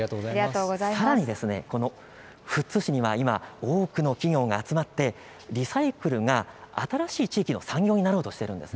さらに富津市には今、多くの企業が集まってリサイクルが新しい地域の産業になろうとしているんです。